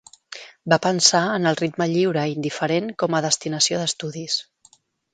Va pensar en el ritme lliure i indiferent com a destinació d'estudis.